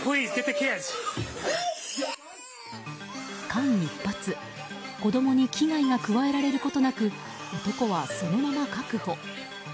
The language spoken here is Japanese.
間一髪、子供に危害が加えられることなく男は、そのまま確保。